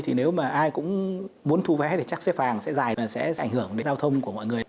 thì nếu mà ai cũng muốn thu vé thì chắc xếp hàng sẽ dài và sẽ ảnh hưởng đến giao thông của mọi người